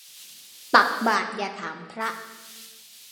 ตักบาตรอย่าถามพระ